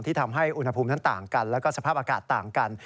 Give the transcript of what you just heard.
ทำให้อุณหภูมินั้นต่างกันแล้วก็สภาพอากาศต่างกัน